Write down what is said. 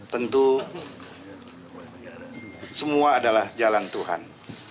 tentu semua adalah jalan tuhan